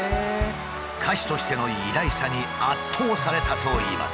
歌手としての偉大さに圧倒されたといいます。